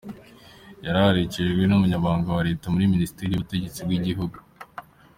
Yari aherekejwe n’umunyamabanga wa Leta muri Minisiteri y’ubutegetsi bw’igihugu,